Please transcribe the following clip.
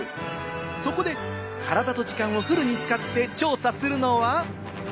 そこで体と時間をフルに使って調査するのは。